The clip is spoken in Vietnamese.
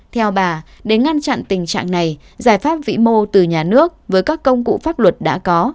theo bà để ngăn chặn tình trạng này giải pháp vĩ mô từ nhà nước với các công cụ pháp luật đã có